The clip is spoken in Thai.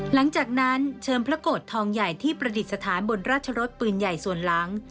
หลังจากนั้นเชิมพระโกรธทองใหญ่ที่ประดิษฐานบนราชรสปืนใหญ่ส่วนหลัง